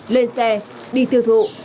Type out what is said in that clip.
lên xe đi tiêu thụ